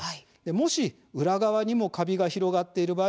もし裏側にもカビが広がっている場合